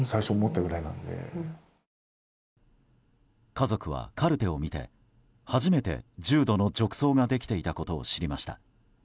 家族は、カルテを見て初めて重度の褥瘡ができていたことを知りました。